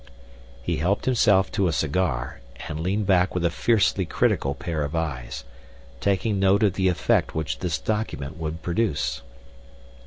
He helped himself to a cigar and leaned back with a fiercely critical pair of eyes, taking note of the effect which this document would produce.